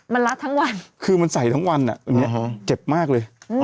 มันรับทั้งวันคือมันใสทั้งวันนะแต่นี่เจ็บมากเลยอ่า